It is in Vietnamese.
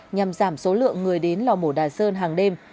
nhằm giảm số lượng người đến lò mổ đà sơn hàng đêm